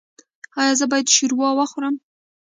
ایا زه باید شوروا وخورم؟